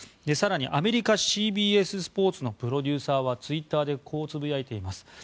更に、アメリカＣＢＳスポーツのプロデューサーはツイッターでこうつぶやいています。